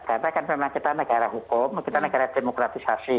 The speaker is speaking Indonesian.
karena kan memang kita negara hukum kita negara demokratisasi